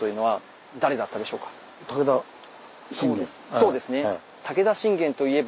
そうですね。